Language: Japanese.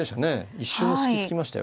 一瞬の隙突きましたよ。